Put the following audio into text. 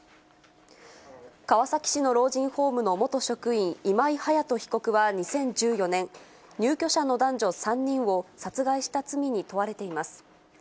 川崎市の老人ホームの元職員、今井隼人被告は２０１４年、入居者の男女３人を殺害した罪に問われています。